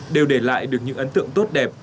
đều để lại được những ấn tượng tốt đẹp